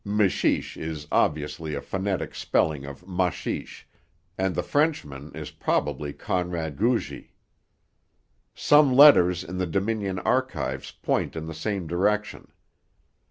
'Mishish' is obviously a phonetic spelling of Machiche, and 'the Frenchman' is probably Conrad Gugy. Some letters in the Dominion Archives point in the same direction.